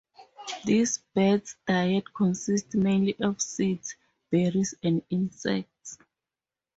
This bird's diet consists mainly of seeds, berries and insects.